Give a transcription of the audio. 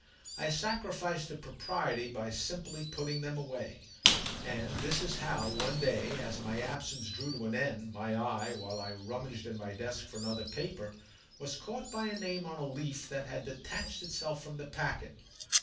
I sacrificed to propriety by simply putting them away, and this is how, one day as my absence drew to an end, my eye, while I rummaged in my desk for another paper, was caught by a name on a leaf that had detached itself from the packet.